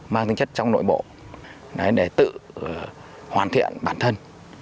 mang tính chất trong nội bộ để tự hoàn thiện bản thân